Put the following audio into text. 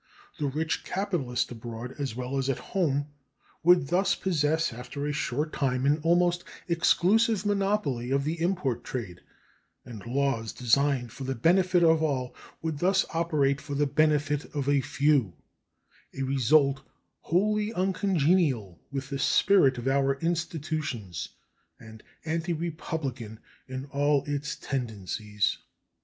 The rich capitalist, abroad as well as at home, would thus possess after a short time an almost exclusive monopoly of the import trade, and laws designed for the benefit of all would thus operate for the benefit of a few a result wholly uncongenial with the spirit of our institutions and antirepublican in all its tendencies.